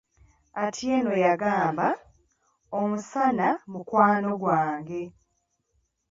Atieno yagamba, Omusana mukwano gwange.